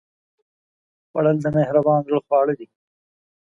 خوړل د مهربان زړه خواړه دي